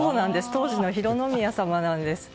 当時の浩宮さまなんです。